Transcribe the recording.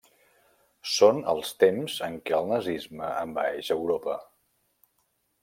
Són els temps en què el nazisme envaeix Europa.